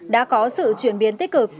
đã có sự chuyển biến tích cực